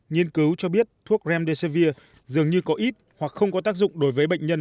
nghiên cứu cho biết thuốc remdesivir dường như có ít hoặc không có tác dụng đối với bệnh nhân